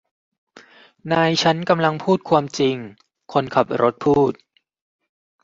นายฉันกำลังพูดความจริงคนขับรถพูด